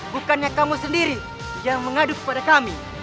bukannya kamu sendiri yang mengadu kepada kami